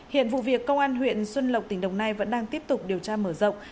hiện vụ việc công an huyện xuân lộc tỉnh đồng nai vẫn đang tiếp tục điều tra mở rộng